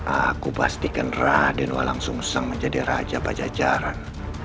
aku pastikan raden walang sungsang menjadi raja pajajaran